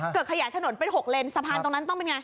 ขยายถนนเป็น๖เลนสะพานตรงนั้นต้องเป็นไง